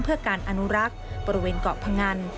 เพื่อการอนุรักษ์ประวัติฏริประหว่างเกาะพังค์งาน